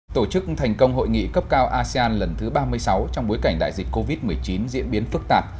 tổ chức thành công hội nghị cấp cao asean lần thứ ba mươi sáu trong bối cảnh đại dịch covid một mươi chín diễn biến phức tạp